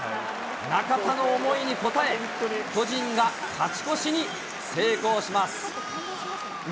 中田の思いに応え、巨人が勝ち越しに成功します。